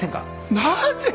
なぜ！？